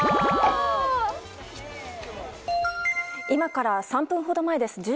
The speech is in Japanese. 今から３分ほど前です。